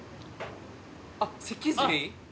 あっ脊髄？